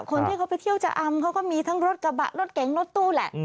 คนที่เขาไปเที่ยวชะอำเขาก็มีทั้งรถกระบะรถเก๋งรถตู้แหละ